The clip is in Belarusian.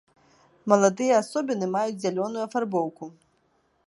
Маладыя асобіны маюць зялёную афарбоўку.